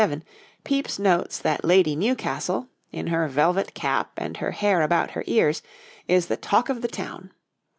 }] Next year, 1667, Pepys notes that Lady Newcastle, in her velvet cap and her hair about her ears, is the talk of the town.